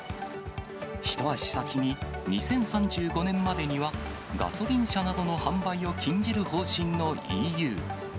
一足先に２０３５年までには、ガソリン車などの販売を禁じる方針のＥＵ。